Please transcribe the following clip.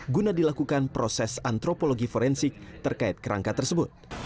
guna dilakukan proses antropologi forensik terkait kerangka tersebut